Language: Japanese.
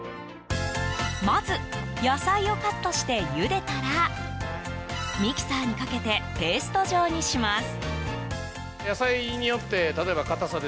まず、野菜をカットしてゆでたらミキサーにかけてペースト状にします。